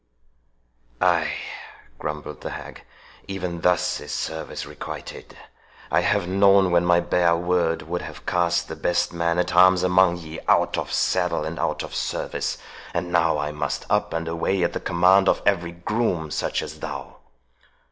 "Ay," grumbled the hag, "even thus is service requited. I have known when my bare word would have cast the best man at arms among ye out of saddle and out of service; and now must I up and away at the command of every groom such as thou."